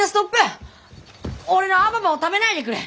俺のアババを食べないでくれ！